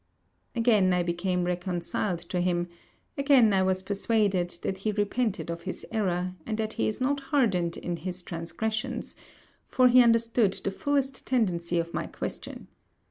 Again I became reconciled to him; again I was persuaded, that he repented of his error, and that he is not hardened in his transgressions, for he understood the fullest tendency of my question.